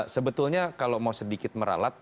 sebetulnya kalau mau sedikit meralat